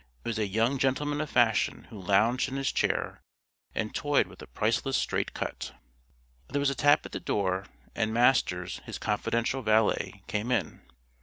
It was a young gentleman of fashion who lounged in his chair and toyed with a priceless straight cut. There was a tap at the door, and Masters, his confidential valet, came in.